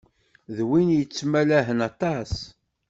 D win yettmalahen aṭas.